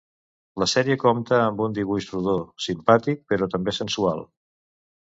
La sèrie compta amb un dibuix rodó, simpàtic però també sensual.